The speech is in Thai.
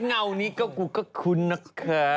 เงานี่ก็คุ้นนะค่ะ